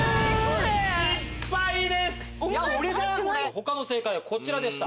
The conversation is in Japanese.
他の正解はこちらでした。